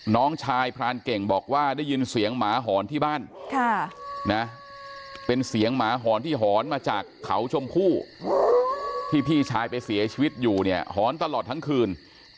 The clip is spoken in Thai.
น้องชายพรานเก่งบอกว่าได้ยินเสียงหมาหอนที่บ้านเป็นเสียงหมาหอนที่หอนมาจากเขาชมพู่ที่พี่ชายไปเสียชีวิตอยู่เนี่ยหอนตลอดทั้งคืน